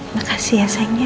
makasih ya sayangnya